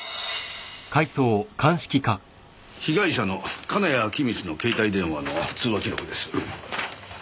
被害者の金谷陽充の携帯電話の通話記録です。